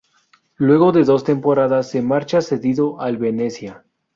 Luego de dos temporadas se marcha cedido al Venezia.